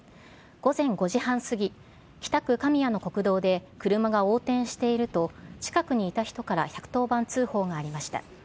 午前５時半過ぎ、北区神谷の国道で車が横転していると、近くにいた人から１１０番通報がありました。